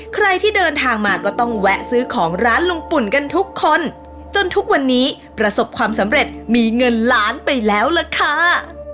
ใครที่เดินทางมาก็ต้องแวะซื้อของร้านลุงปุ่นกันทุกคนจนทุกวันนี้ประสบความสำเร็จมีเงินล้านไปแล้วล่ะค่ะ